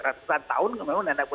ratusan tahun memang